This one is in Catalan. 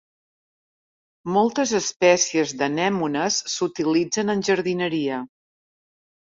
Moltes espècies d'anemones s'utilitzen en jardineria.